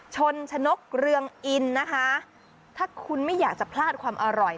ชนชนกเรืองอินนะคะถ้าคุณไม่อยากจะพลาดความอร่อย